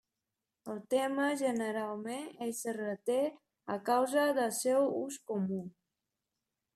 El terme generalment es reté a causa del seu ús comú.